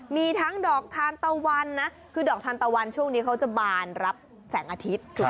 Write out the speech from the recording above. มีทั้งดอกทานตะวันนะคือดอกทานตะวันช่วงนี้เขาจะบานรับแสงอาทิตย์